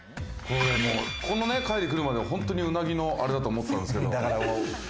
この階に来るまでは、本当にうなぎのあれだと思ったんですけど。